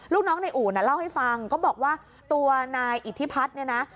ลูกน้องในอู่น่ะเล่าให้ฟังก็บอกว่าตัวนายอิทธิพัฒน์เนี่ยนะ